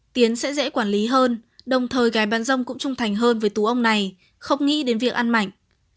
tiến sẽ dễ quản lý hơn đồng thời gái bán dâm cũng trung thành hơn với tú ông này không nghĩ đến việc ăn mạnh